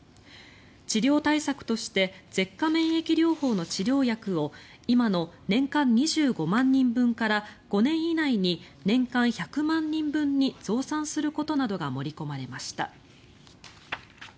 治療対策として舌下免疫療法の治療薬を今の年間２５万人分から５年以内に年間１００万人分に増産することなどが盛り込まれました。